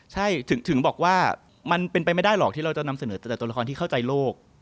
ใช่ถึงบอกว่ามันเป็นไปไม่ได้หรอกที่เราจะนำเสนอแต่ละตัวละครที่เข้าใจโลก